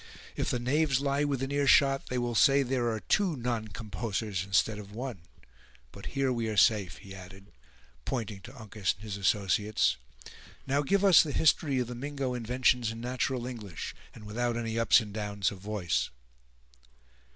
"If the knaves lie within earshot, they will say there are two non compossers instead of one! But here we are safe," he added, pointing to Uncas and his associates. "Now give us the history of the Mingo inventions in natural English, and without any ups and downs of voice."